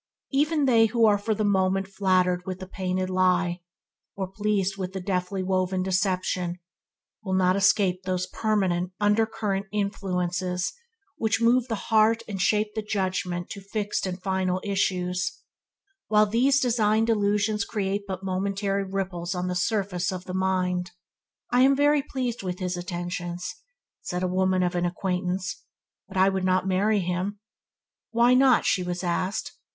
Even they who are for the moment flattered with the painted lie, or pleased with the deftly woven deception, will not escape those permanent under currents of influence which move the heart and shape the judgement to fixed and final issues, while these designed delusions create but momentary ripples on the surface of the mind. "I am very pleased with his attentions," said a woman of an acquaintance, "but I would not marry him". "Why not?" she was asked.